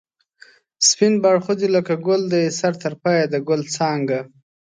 سپین باړخو دی لکه گل دی سر تر پایه د گل څانگه